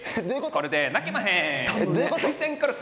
これで泣けまへん！